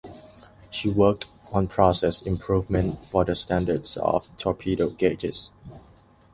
She worked on process improvement for the standards of torpedo gauges.